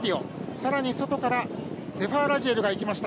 さらに、外からセファーラジエルがいきました。